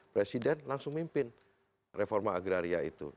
presiden langsung mimpin reforma agraria itu